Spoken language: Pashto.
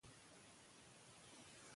د خواجه سراګانو واک په قصر کې خورا زیات و.